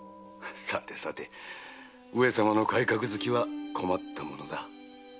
さてさて上様の改革好きは困ったものだ。